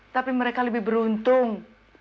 tapi mereka lebih beruntung